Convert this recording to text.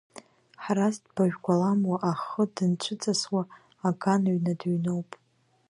Ҳараз дбажәгәаламуа, аххы дынцәыҵасуа аган ҩны дыҩноуп.